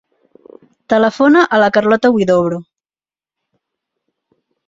Telefona a la Carlota Huidobro.